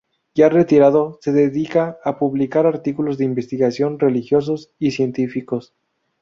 Ya retirado, se dedica a publicar artículos de investigación, religiosos y científicos.